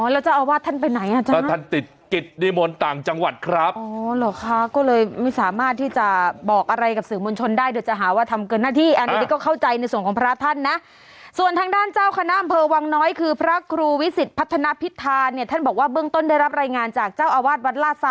แล้วเจ้าอาวาสท่านไปไหนอาจารย์แล้วท่านติดกิจนิมนต์ต่างจังหวัดครับ